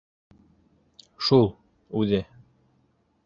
Шул... үҙе...